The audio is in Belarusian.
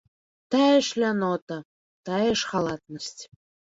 Тая ж лянота, тая ж халатнасць.